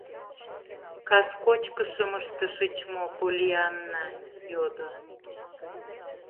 — Кас кочкышым ыштышыч мо, Поллианна? — йодо.